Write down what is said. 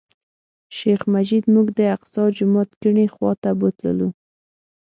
شیخ مجید موږ د الاقصی جومات کیڼې خوا ته بوتللو.